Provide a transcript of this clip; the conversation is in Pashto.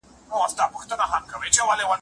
ستا د اوښکو زما د وینو قدر نشته